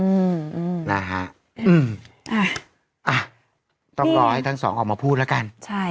อืมนะฮะอืมอ่าอ่ะต้องรอให้ทั้งสองออกมาพูดแล้วกันใช่